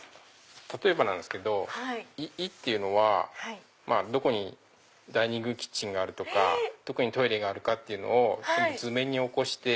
例えばなんですけど「イ」っていうのはどこにダイニングキッチンがあるとかどこにトイレがあるっていうのを図面に起こして。